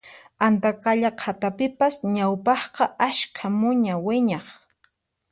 Antaqalla qhatapipas ñawpaqqa askha muña wiñaq